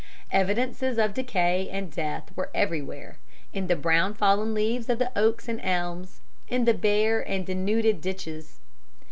Evidences of decay and death were everywhere in the brown fallen leaves of the oaks and elms; in the bare and denuded ditches.